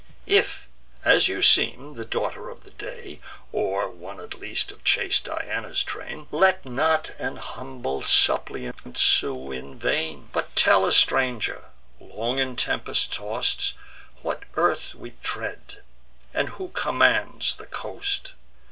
If, as you seem, the sister of the day, Or one at least of chaste Diana's train, Let not an humble suppliant sue in vain; But tell a stranger, long in tempests toss'd, What earth we tread, and who commands the coast?